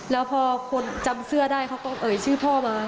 แล้วพอคนจำเสื้อได้เขาก็เอ่ยชื่อพ่อมา